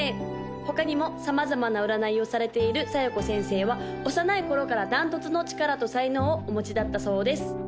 他にも様々な占いをされている小夜子先生は幼い頃から断トツの力と才能をお持ちだったそうです